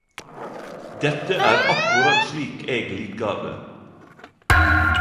Dette er akkurat slik eg likar det.